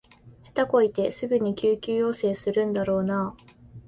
下手こいてすぐに救助要請するんだろうなあ